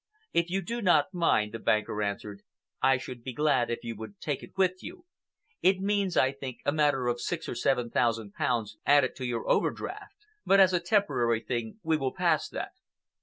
"If you do not mind," the banker answered, "I should be glad if you would take it with you. It means, I think, a matter of six or seven thousand pounds added to your overdraft, but as a temporary thing we will pass that."